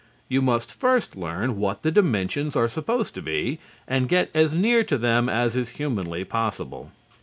You must first learn what the dimensions are supposed to be and get as near to them as is humanly possible.